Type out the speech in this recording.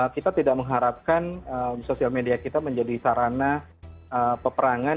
kita tidak mengharapkan sosial media kita menjadi sarana peperangan